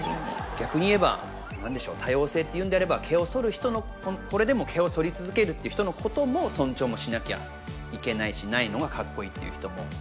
逆に言えば何でしょう多様性って言うんであれば毛をそる人のこれでも毛をそり続けるって人のことも尊重もしなきゃいけないしないのがかっこいいっていう人も。